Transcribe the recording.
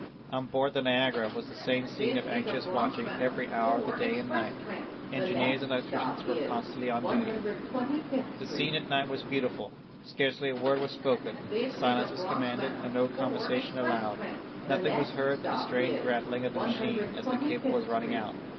On board the Niagara was the same scene of anxious watching every hour of the day and night. Engineers and electricians were constantly on duty: "The scene at night was beautiful. Scarcely a word was spoken; silence was commanded, and no conversation allowed. Nothing was heard but the strange rattling of the machine as the cable was running out.